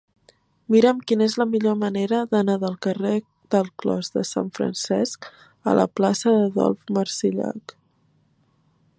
Mira'm quina és la millor manera d'anar del carrer del Clos de Sant Francesc a la plaça d'Adolf Marsillach.